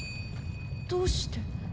どうして？